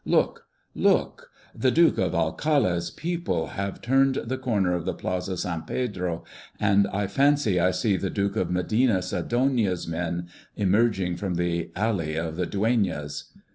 Look, look! the Duke of Alcalá's people have turned the corner of the Plaza San Pedro, and I fancy I see the Duke of Medina Sidonia's men emerging from the Alley of the Dueñas.